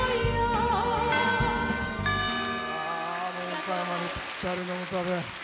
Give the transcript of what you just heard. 岡山にぴったりの歌で。